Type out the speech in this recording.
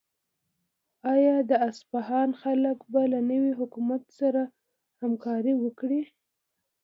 آیا د اصفهان خلک به له نوي حکومت سره همکاري وکړي؟